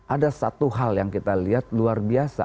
ada satu hal yang kita lihat luar biasa